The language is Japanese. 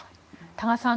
多賀さん